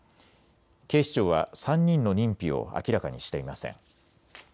警視庁は３人の認否を明らかにしていません。